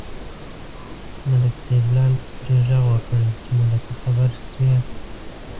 ملک سیدلال پرې غږ وکړ چې ملکه خبر شوې.